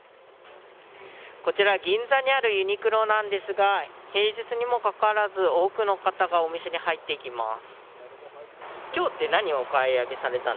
こちら銀座にあるユニクロなんですが平日にもかかわらず多くの方がお店に入っていきます。